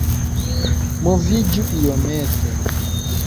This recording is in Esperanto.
Moviĝu iomete